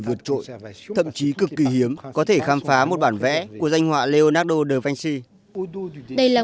vượt trội thậm chí cực kỳ hiếm có thể khám phá một bản vẽ của danh họa leonardo the vanhci đây là